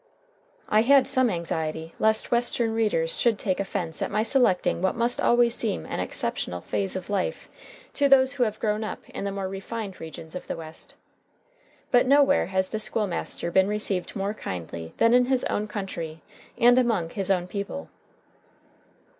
I had some anxiety lest Western readers should take offence at my selecting what must always seem an exceptional phase of life to those who have grown up in the more refined regions of the West. But nowhere has the School master been received more kindly than in his own country and among his own people.